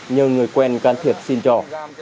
nhờ người quen can thiệp xin cho